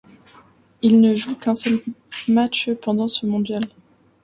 Il ne joue qu'un seul match pendant ce mondial.